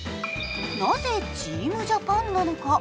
なぜチームジャパンなのか。